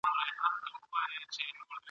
کرۍ ورځ یې مزل کړی وو دمه سو !.